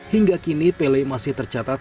hingga kini pele masih tercatat